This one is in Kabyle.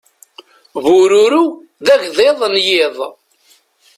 Bururu d agḍiḍ n yiḍ.